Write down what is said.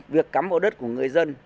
việc cắm vào đất của người dân